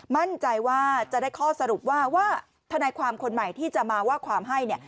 มั่นใจว่าจะได้ข้อสรุปว่าว่าทนายความคนใหม่ที่จะมาว่าความให้